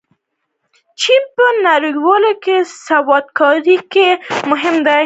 چین په نړیواله سوداګرۍ کې مهم دی.